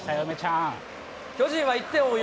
巨人は１点を追う